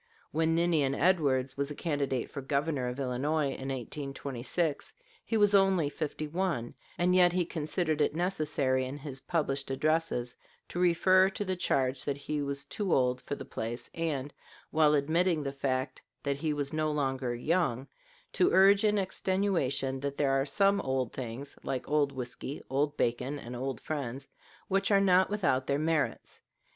When Ninian Edwards was a candidate for Governor of Illinois in 1826, he was only fifty one, and yet he considered it necessary in his published addresses to refer to the charge that he was too old for the place, and, while admitting the fact that he was no longer young, to urge in extenuation that there are some old things, like old whisky, old bacon, and old friends, which are not without their merits.